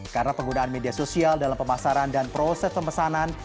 karena penggunaan media sosial dalam pemasaran dan proses pemesanan